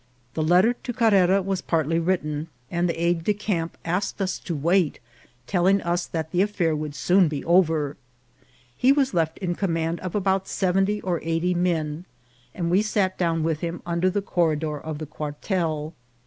The letter to Carrera was partly written, and the aiddecamp asked us to wait, telling us that the affair would soon be over. He was left in command of about seventy or AN ALARM. 81 eighty men, and we sat down with him under the cor ridor of the quartel.